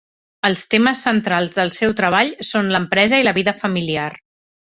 Els temes centrals del seu treball són l'empresa i la vida familiar.